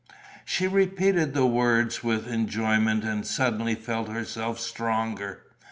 She repeated the words with enjoyment and suddenly felt herself stronger.